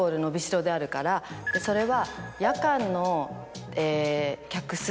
それは。